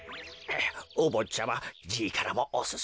おぼっちゃまじいからもおすすめいたします。